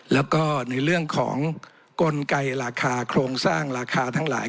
แล้วก็ในเรื่องของกลไกราคาโครงสร้างราคาทั้งหลาย